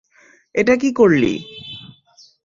এটা কি করলি?